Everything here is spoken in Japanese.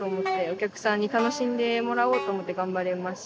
お客さんに楽しんでもらおうと思って頑張れます。